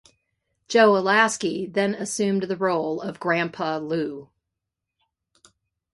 Joe Alaskey then assumed the role of Grandpa Lou.